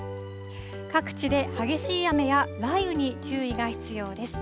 各地で激しい雨や雷雨に注意が必要です。